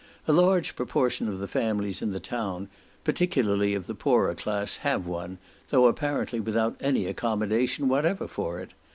A large proportion of the families in the town, particularly of the poorer class, have one, though apparently without any accommodation whatever for it.